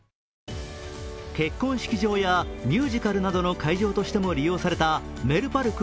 結婚式場やミュージカルなどの会場としても利用されたメルパルク